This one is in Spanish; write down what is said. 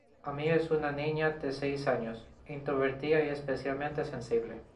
Ami es una niña de seis años, introvertida y especialmente sensible.